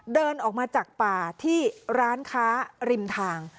เดินออกมาจากป่าที่ร้านค้าริมทาง